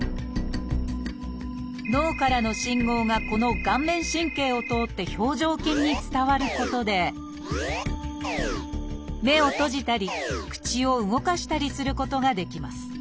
脳からの信号がこの顔面神経を通って表情筋に伝わることで目を閉じたり口を動かしたりすることができます